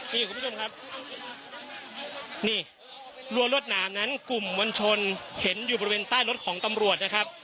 นี่คุณผู้ชมครับนี่รัวรวดหนามนั้นกลุ่มมวลชนเห็นอยู่บริเวณใต้รถของตำรวจนะครับ